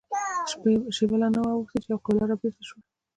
شېبه لا نه وه اوښتې چې يوه قابله را بېرته شوه.